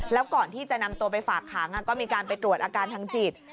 แล้วก่อนที่จะนำตัวไปฝากขังก็มีการไปตรวจอาการทางจิต